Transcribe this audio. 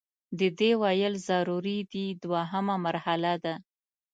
د دې ویل ضروري دي دوهمه مرحله ده.